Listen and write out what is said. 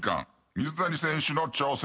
水谷選手の挑戦。